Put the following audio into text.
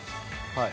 はい。